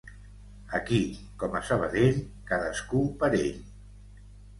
Aquí, com a Sabadell, cadascú per ell.